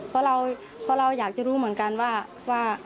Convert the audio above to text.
เพราะเราอยากจะรู้เหมือนกันว่า